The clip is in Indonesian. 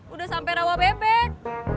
udah sampe rawa bebek